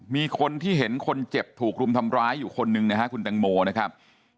มีคนที่เห็นคนเจ็บถูกรุมทำร้ายอยู่คนหนึ่งนะฮะคุณแตงโมนะครับ